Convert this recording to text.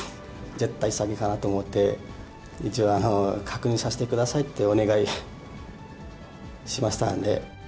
絶対詐欺かなと思って、一応、確認させてくださいってお願いしました。